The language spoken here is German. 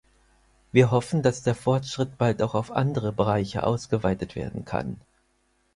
Wir hoffen, dass der Fortschritt bald auch auf andere Bereiche ausgeweitet werden kann.